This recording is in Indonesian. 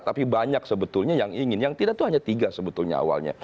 tapi banyak sebetulnya yang ingin yang tidak itu hanya tiga sebetulnya awalnya